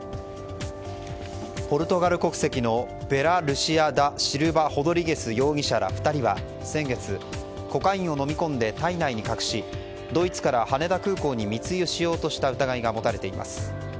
ポルトガル国籍のヴェラ・ルシア・ダ・シルバ・ホドリゲス容疑者ら２人は、先月コカインを飲み込んで体内に隠しドイツから羽田空港に密輸しようとした疑いが持たれています。